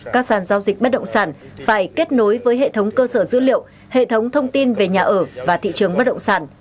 các sản giao dịch bất động sản phải kết nối với hệ thống cơ sở dữ liệu hệ thống thông tin về nhà ở và thị trường bất động sản